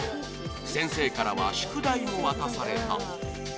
先生からは宿題を渡された。